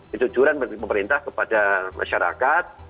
kejujuran pemerintah kepada masyarakat